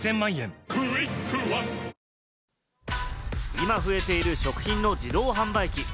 今、増えている食品の自動販売機。